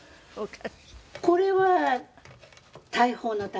「これは大砲の弾」